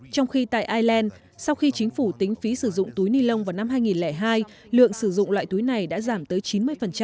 trong khi tại ireland sau khi chính phủ tính phí sử dụng túi ni lông vào năm hai nghìn hai lượng sử dụng loại túi này đã giảm tới chín mươi